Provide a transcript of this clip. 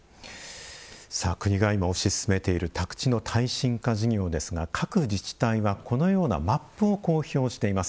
国が今推し進めている宅地の耐震化事業ですが各自治体はこのようなマップを公表しています。